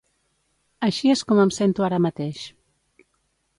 Així es com em sento ara mateix.